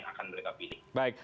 yang akan mereka pilih